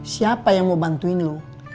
siapa yang mau bantuin lo